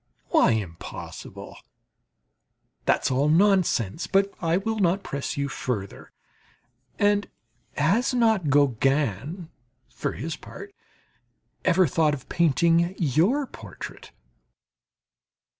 Why impossible? That's all nonsense. But I will not press you further. And has not Gauguin, for his part, ever thought of painting your portrait?